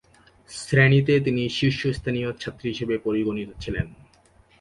শ্রেণীতে তিনি শীর্ষস্থানীয় ছাত্রী হিসেবে পরিগণিত ছিলেন।